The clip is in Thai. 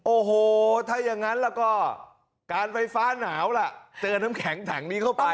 โอ้โหถ้าอย่างนั้นแล้วก็การไฟฟ้าหนาวล่ะเจอน้ำแข็งถังนี้เข้าไป